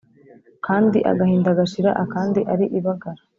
kandi agahinda gashira akandi ari ibagara